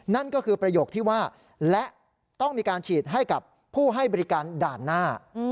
นั่นก็คือประโยคที่ว่าและต้องมีการฉีดให้กับผู้ให้บริการด่านหน้า